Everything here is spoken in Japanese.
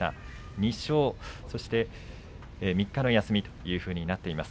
２勝、そして３日の休みとなっています。